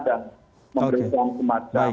dan menggunakan semacam